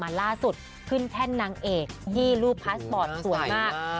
ล่าสุดขึ้นแท่นนางเอกยี่รูปพาสปอร์ตสวยมาก